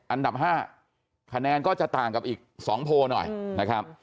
อันดับ๕คะแนนก็จะต่างกับอีก๒โพลหน่อยนะครับ